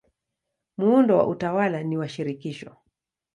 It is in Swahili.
Muundo wa utawala ni wa shirikisho.